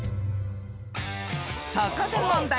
［そこで問題。